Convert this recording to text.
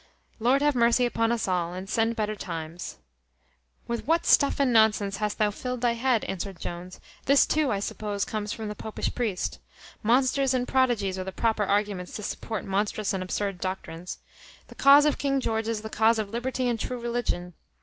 Lord, have mercy upon us all, and send better times!" "With what stuff and nonsense hast thou filled thy head!" answered Jones: "this too, I suppose, comes from the popish priest. Monsters and prodigies are the proper arguments to support monstrous and absurd doctrines. The cause of King George is the cause of liberty and true religion.